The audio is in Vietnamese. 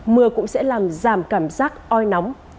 mưa cũng sẽ làm giảm cảm giác oi nóng